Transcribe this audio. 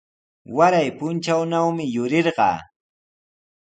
Waray puntrawnawmi yurirqaa.